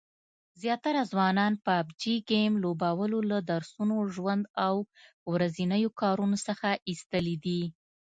زیاتره ځوانان پابجي ګیم لوبولو له درسونو، ژوند او ورځنیو کارونو څخه ایستلي دي